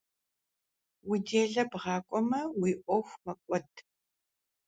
Уи делэ бгъэкIуэмэ, уи Iуэху мэкIуэд.